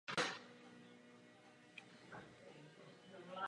Jednání, která začnou v prosinci na Bali, to jasně ukáží.